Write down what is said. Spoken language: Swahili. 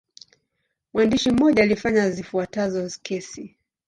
Mwandishi mmoja alifanya zifuatazo kesi.